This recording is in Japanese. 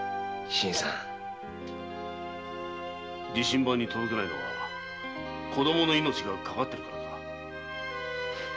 「自身番」に届けないのは子供の命がかかっているからか？